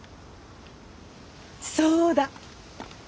そうだ。